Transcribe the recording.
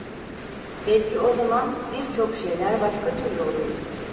Belki o zaman birçok şeyler başka türlü olurdu…